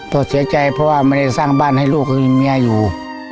พ่อเสียใจเพราะว่ามันเลยสร้างบ้านให้ลูกคือหนี้อยู่